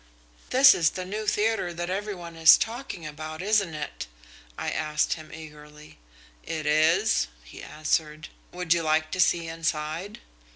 "'This is the new theatre that every one is talking about, isn't it?' I asked him eagerly. "'It is,' he answered. 'Would you like to see inside?'